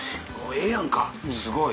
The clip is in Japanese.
ええやんかすごい！